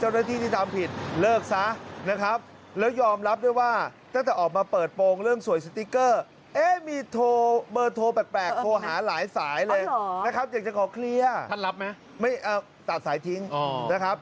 อ๋อเหรอท่านรับไหมอยากจะขอเคลียร์นะครับตัดสายทิ้งนะครับ